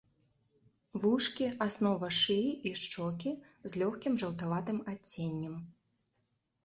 Вушкі, аснова шыі і шчокі з лёгкім жаўтаватым адценнем.